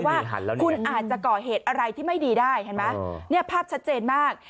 ว่าคุณอาจจะเกาะเหตุอะไรที่ไม่ดีได้ภาพชัดเจนมาก